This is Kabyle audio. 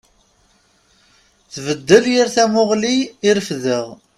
Tbeddel yir tamuɣli i refdeɣ.